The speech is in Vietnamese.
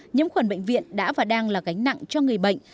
nhiễm khuẩn bệnh viện đã và đang là gánh nặng cho người bệnh